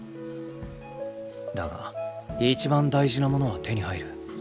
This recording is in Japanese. だが一番大事なものは手に入る。